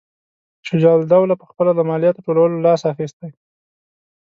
شجاع الدوله پخپله له مالیاتو ټولولو لاس اخیستی.